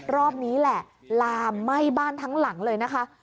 รอบนี้แหละลามไหม้บ้านทั้งหลังเลยนะคะ